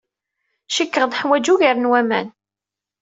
Cikkeɣ neḥwaj ugar n waman.